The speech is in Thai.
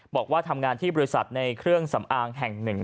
บอกว่าทำงานที่บริษัทในเครื่องสำอางแห่งหนึ่ง